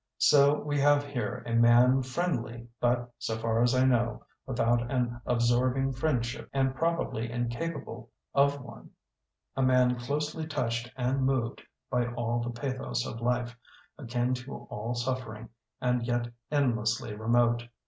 So we have here a man friendly but, so far as I know, without an absorbing friendship and probably incapable of one ; a man closely touched and moved by all the pathos of life, akin to all suffering, and yet endlessly remote.